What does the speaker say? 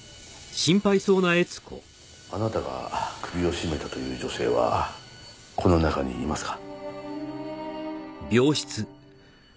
あなたが首を絞めたという女性はこの中にいますか？